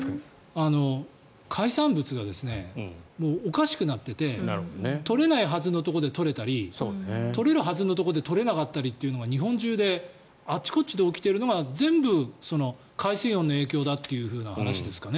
海産物がおかしくなってて取れないはずのところで取れたり取れるはずのところで取れなかったりというのが日本中であちこちで起きているのが全部海水温の影響だという話ですかね。